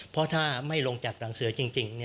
เพราะถ้าไม่ลงจากหลังเสือจริง